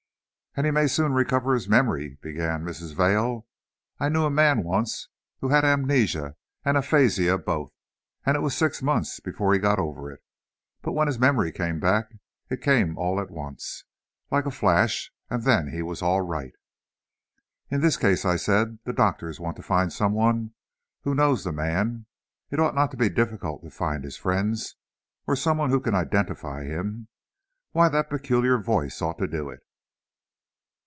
"And he may soon recover his memory," began Mrs. Vail. "I knew a man once who had amnesia and aphasia both, and it was six months before he got over it. But when his memory came back, it came all at once, like a flash, and then he was all right." "In this case," I said, "the doctors want to find someone who knows the man. It ought not to be difficult to find his friends, or someone who can identify him. Why, that peculiar voice ought to do it."